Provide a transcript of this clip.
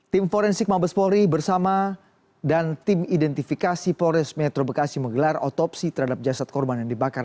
tim forensik mabes polri bersama dan tim identifikasi polres metro bekasi menggelar otopsi terhadap jasad korban yang dibakar